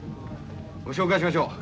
ご紹介しましょう。